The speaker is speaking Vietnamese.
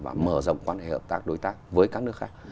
và mở rộng quan hệ hợp tác đối tác với các nước khác